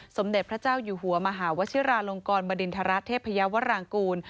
สมเด็จพระเจ้าอยู่หัวมหาวชิราลงกรบดินทรเทพยาวรางกูล